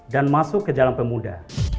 dan masuk ke jalan pemuda